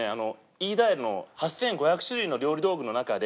飯田屋の８５００種類の料理道具の中で。